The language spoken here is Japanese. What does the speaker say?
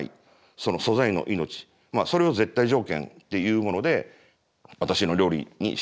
その素材の命それを絶対条件っていうもので私の料理にしてるんですけど。